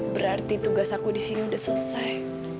berarti tugas aku di sini sudah selesai